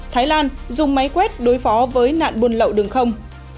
thái lan dùng máy quét đối phó với nạn buôn lậu đường không